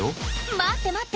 待って待って。